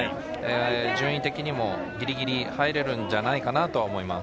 順位的にもぎりぎり入れるんじゃないかなと思います。